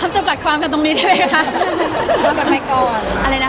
เราไม่หาคำจำกรรมกันตรงนี้ได้ไหมคะ